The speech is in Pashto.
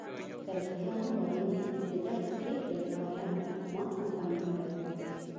که رښتیا ووایم ددغې پرېکړې لپاره ما کمپاین کړی و.